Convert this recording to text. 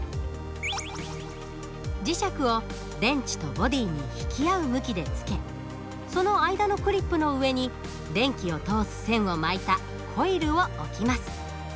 磁石を電池とボディに引き合う向きでつけその間のクリップの上に電気を通す線を巻いたコイルを置きます。